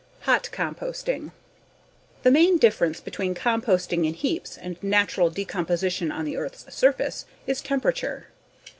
Hot Composting The main difference between composting in heaps and natural decomposition on the earth's surface is temperature.